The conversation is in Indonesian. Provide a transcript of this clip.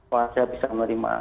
wajah bisa menerima